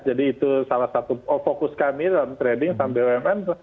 jadi itu salah satu fokus kami dalam trading saham bumn